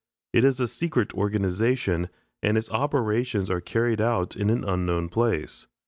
It is a secret organization, and its operations are carried on in an unknown place.